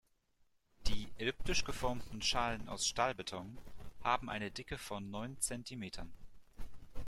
Die elliptisch geformten Schalen aus Stahlbeton haben eine Dicke von neun Zentimetern.